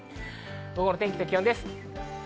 午後の天気と気温です。